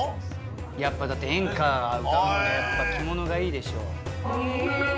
やっぱだって演歌歌うのはやっぱ着物がいいでしょう。